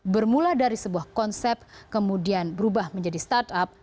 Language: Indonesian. bermula dari sebuah konsep kemudian berubah menjadi startup